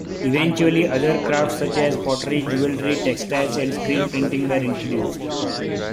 Eventually other crafts such as pottery, jewellery, textiles and screenprinting were introduced.